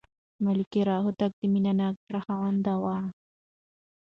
ملکیار هوتک د مینه ناک زړه خاوند و.